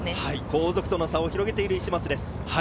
後続との差を広げています、石松です。